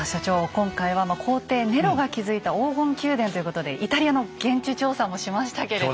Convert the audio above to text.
今回は皇帝ネロが築いた黄金宮殿ということでイタリアの現地調査もしましたけれど。